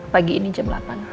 pagi ini jam delapan